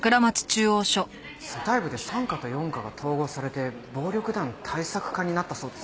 組対部で３課と４課が統合されて暴力団対策課になったそうです。